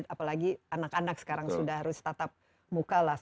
apalagi anak anak sekarang sudah harus tatap muka lah